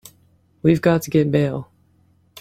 We've got to get bail.